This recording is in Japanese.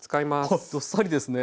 あっどっさりですね。